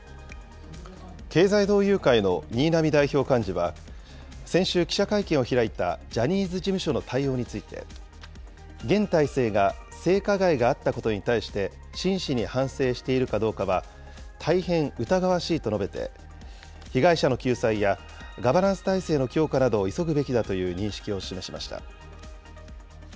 経済同友会の新浪代表幹事は、先週記者会見を開いたジャニーズ事務所の対応について、現体制が性加害があったことに対して、真摯に反省しているかどうかは大変疑わしいと述べて、被害者の救済や、ガバナンス体制の強化などを急ぐべきだという認識を示しました。